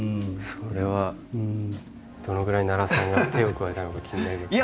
それはどのぐらい奈良さんが手を加えたのか気になります。